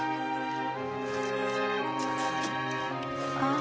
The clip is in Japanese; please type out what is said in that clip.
あ。